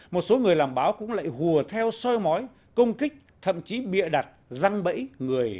một số người làm báo cũng lại hùa theo soi mói công kích thậm chí bịa đặt răng bẫy người